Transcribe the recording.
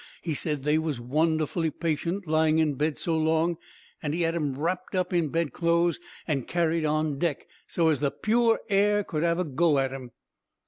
He said they was wonderfully patient lying in bed so long, an' he had 'em wrapped up in bed clo'es and carried on deck, so as the pure air could have a go at 'em.